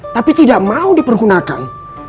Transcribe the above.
tapi tidak mau dipergunakan